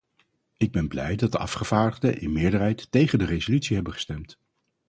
Ik ben blij dat de afgevaardigden in meerderheid tegen de resolutie hebben gestemd.